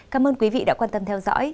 cảm ơn quý vị đã quan tâm theo dõi